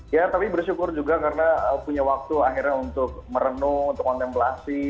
ya tapi bersyukur juga karena punya waktu akhirnya untuk merenung untuk kontemplasi